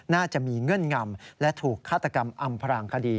น่าจะมีเงื่อนงำและถูกฆาตกรรมอำพรางคดี